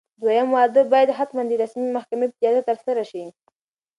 دویم واده باید حتماً د رسمي محکمې په اجازه ترسره شي.